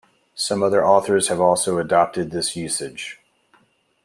Some other authors have also adopted this usage.